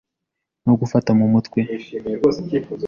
no gufata mu mutwe